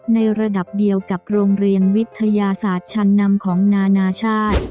ในระดับเดียวกับโรงเรียนวิทยาศาสตร์ชั้นนำของนานาชาติ